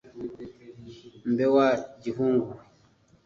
mbe wa gihungu we